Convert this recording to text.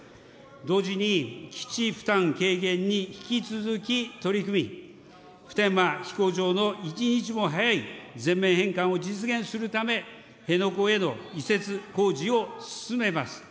同時に基地負担軽減に引き続き取り組み、普天間飛行場の一日も早い全面返還を実現するため、辺野古への移設工事を進めます。